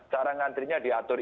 cara ngantrinya diatur